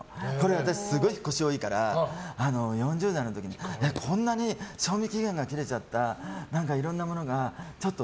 私、すごい引っ越しが多いから４０代の時にこんなに賞味期限が切れちゃったいろんなものがって。